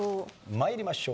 参りましょう。